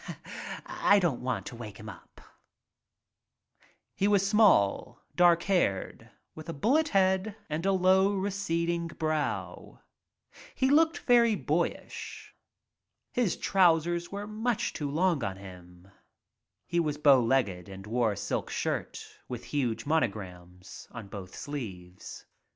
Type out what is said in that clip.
"I don't want to wake him." He was small, dark haired, with a bullet head and a low, receding brow. He looked very boyish. His trousers were much too long for him. He was bow legged and wore a silk shirt with huge monograms on both sleeves.